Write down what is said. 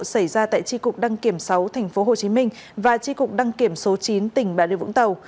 xảy ra tại tri cục đăng kiểm sáu tp hcm và tri cục đăng kiểm số chín tỉnh bà điều vũng tàu